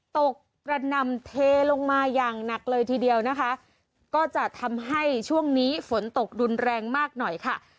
กระนำเทลงมาอย่างหนักเลยทีเดียวนะคะก็จะทำให้ช่วงนี้ฝนตกรุนแรงมากหน่อยค่ะ